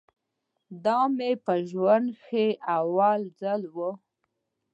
دا مې په ژوند کښې اول ځل و.